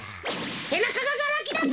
せなかががらあきだぞ！